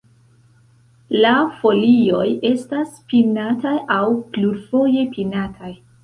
La folioj estas pinataj aŭ plurfoje pinataj.